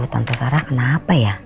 tante sarah kenapa ya